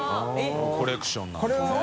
コレクションなんですね。